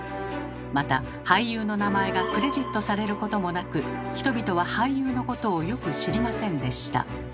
また俳優の名前がクレジットされることもなく人々は俳優のことをよく知りませんでした。